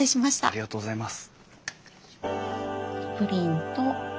ありがとうございます。